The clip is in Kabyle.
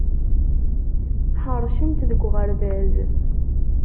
Ḥarcent deg uɣerbaz.